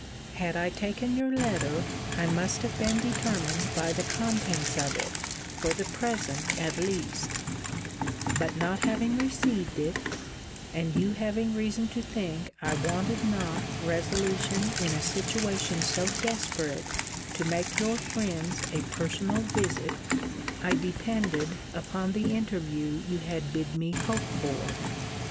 Had I taken your letter I must have been determined by the contents of it, for the present at least: but not having received it, and you having reason to think I wanted not resolution in a situation so desperate, to make your friends a personal visit, I depended upon the interview you had bid me hope for.'